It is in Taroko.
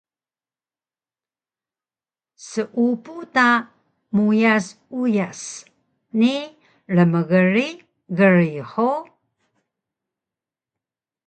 Seupu ta meuyas uyas ni rmgrig grig hug!